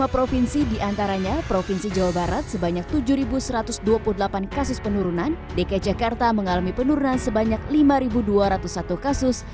dua puluh provinsi diantaranya provinsi jawa barat sebanyak tujuh satu ratus dua puluh delapan kasus penurunan dki jakarta mengalami penurunan sebanyak lima dua ratus satu kasus